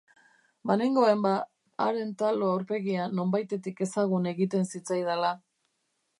Banengoen, ba, haren talo aurpegia nonbaitetik ezagun egiten zitzaidala.